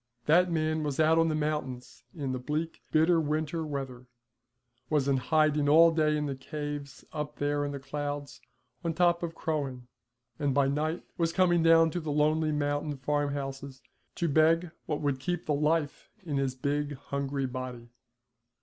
That man was out on the mountains in the bleak, bitter winter weather, was in hiding all day in the caves up there in the clouds on top of Croghan, and by night was coming down to the lonely mountain farmhouses to beg what would keep the life in his big hungry body.